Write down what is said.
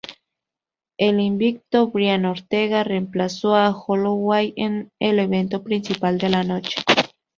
El invicto Brian Ortega reemplazó a Holloway en el evento principal de la noche.